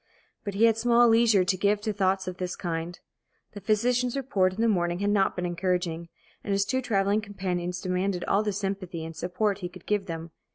But he had small leisure to give to thoughts of this kind. The physician's report in the morning had not been encouraging, and his two travelling companions demanded all the sympathy and support he could give them.